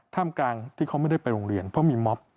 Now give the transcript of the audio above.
กลางที่เขาไม่ได้ไปโรงเรียนเพราะมีม็อบ